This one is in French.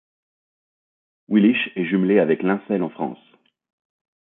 Willich est jumelée avec Linselles en France.